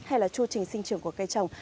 hay là chu trình sinh trường của cây trồng